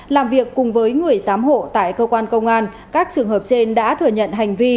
làm việc cùng với người giám hộ tại cơ quan công an các trường hợp trên đã thừa nhận hành vi